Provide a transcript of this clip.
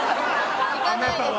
行かないです。